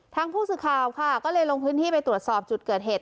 ทางผู้สื่อข่าวค่ะก็เลยลงพื้นที่ไปตรวจสอบจุดเกิดเหตุ